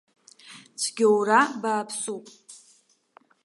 Цәгьоура бааԥсуп!